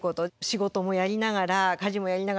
仕事もやりながら家事もやりながら。